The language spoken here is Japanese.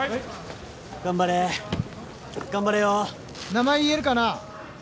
名前言えるかな？